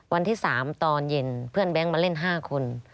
วันที่๓ตอนเย็นเพื่อนแบงค์มาเล่น๕คน